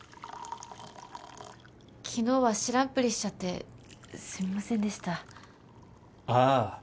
昨日は知らんぷりしちゃってすみませんでしたああ